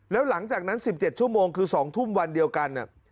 แล้วหลังจากนั้น๑๗ชั่วโมงคือ๒ทุ่มวันเดียวกัน